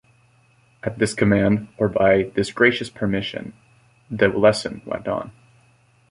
At this command, or by this gracious permission, the lesson went on.